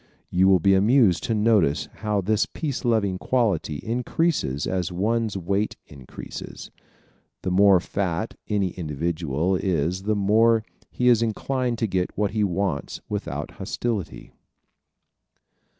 You will be amused to notice how this peace loving quality increases as one's weight increases. The more fat any individual is the more is he inclined to get what he wants without hostility.